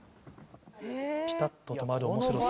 ピタっと止まる面白さ